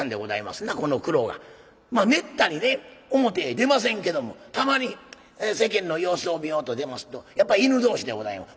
めったにね表へ出ませんけどもたまに世間の様子を見ようと出ますとやっぱ犬同士でございます。